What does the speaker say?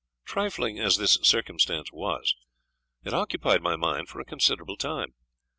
Trifling as this circumstance was, it occupied my mind for a considerable time.